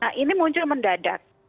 nah ini muncul mendadak